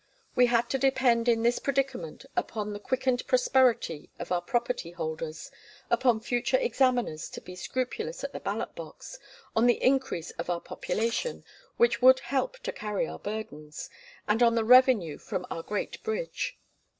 We had to depend in this predicament upon the quickened prosperity of our property holders, upon future examiners to be scrupulous at the ballot box, on the increase of our population, which would help to carry our burdens, and on the revenue from our great bridge.